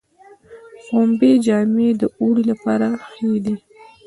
پنبې جامې د اوړي لپاره ښې دي